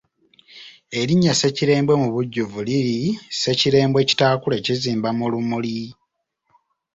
Erinnya Ssekirembwe mu bujjuvu liri Ssekirembwe kitaakule kizimba mu lumuli.